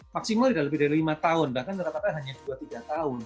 maksimal beda lebih dari lima tahun bahkan merapatnya hanya dua tiga tahun